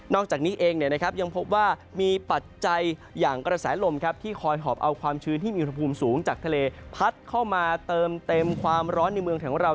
อกจากนี้เองยังพบว่ามีปัจจัยอย่างกระแสลมที่คอยหอบเอาความชื้นที่มีอุณหภูมิสูงจากทะเลพัดเข้ามาเติมเต็มความร้อนในเมืองของเรา